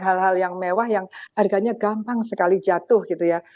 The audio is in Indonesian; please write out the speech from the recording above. hal hal yang mewah yang harganya gampang sekali jatuh gitu ya